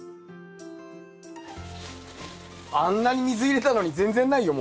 あんなに水入れたのに全然ないよ